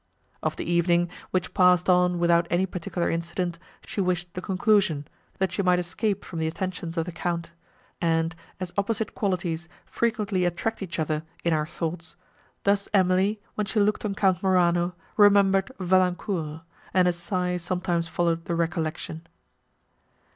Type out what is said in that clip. Of the evening, which passed on without any particular incident, she wished the conclusion, that she might escape from the attentions of the Count; and, as opposite qualities frequently attract each other in our thoughts, thus Emily, when she looked on Count Morano, remembered Valancourt, and a sigh sometimes followed the recollection.